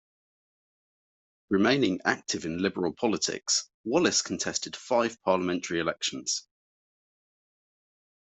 Remaining active in Liberal politics, Wallace contested five parliamentary elections.